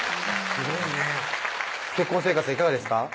すごいね結婚生活いかがですか？